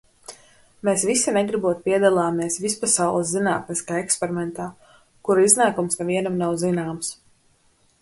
Mēs visi negribot piedalāmies vispasaules zinātniskā eksperimentā, kura iznākums nevienam nav zināms.